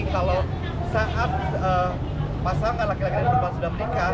kalau saat pasangan laki laki ini berubah sudah meninggal